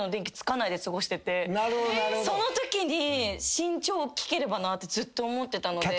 そのときに身長大きければなってずっと思ってたので。